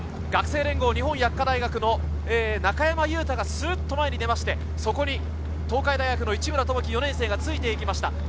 学生連合、日本薬科大学の中山雄太がスッと前に出てそこに東海大の市村朋樹４年生がついていきました。